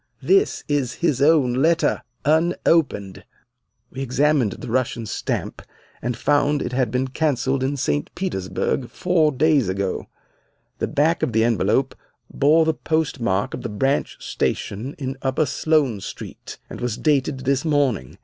This is his own letter unopened!' "We examined the Russian stamp and found it had been cancelled in St. Petersburg four days ago. The back of the envelope bore the postmark of the branch station in upper Sloane Street, and was dated this morning.